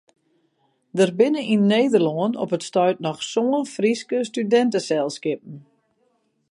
Der binne yn Nederlân op it stuit noch sân Fryske studinteselskippen.